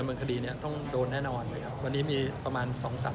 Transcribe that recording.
เราก็มีการเก็บหลักฐานไว้